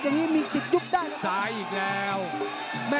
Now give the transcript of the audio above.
ตามต่อยกที่๓ครับ